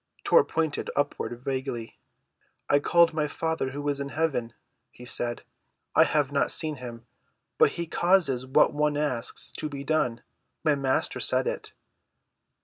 Tor pointed upward vaguely. "I called my Father who is in heaven," he said. "I have not seen him, but he causes what one asks to be done; my Master said it."